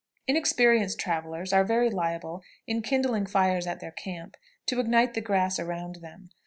Inexperienced travelers are very liable, in kindling fires at their camp, to ignite the grass around them.